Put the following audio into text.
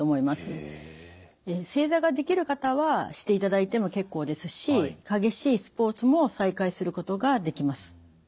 正座ができる方はしていただいても結構ですし激しいスポーツも再開することができます。